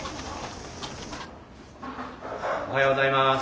おはようございます。